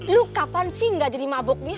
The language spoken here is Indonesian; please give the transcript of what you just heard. lu kapan sih nggak jadi mabuknya